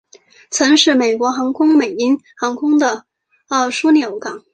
曾是美国航空和美鹰航空的枢杻港。